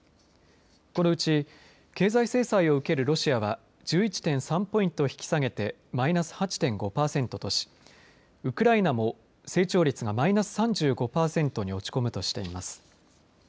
このうち経済制裁を受けるロシアは１１．３ポイント引き下げてマイナス８．５パーセントとしウクライナも成長率がマイナス３５パーセントに落ち込むとしています。